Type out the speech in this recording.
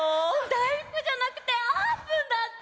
だいふくじゃなくてあーぷんだった！